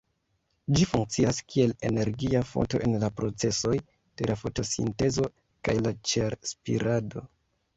Ĝi funkcias kiel energia fonto en la procesoj de la fotosintezo kaj la ĉel-spirado.